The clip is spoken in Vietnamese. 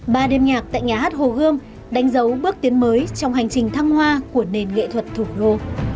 ba đêm nhạc tại nhà hát hồ gươm đánh dấu bước tiến mới trong hành trình thăng hoa của nền nghệ thuật thủ đô